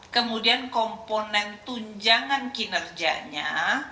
kemudian komponen tunjangan kinerjanya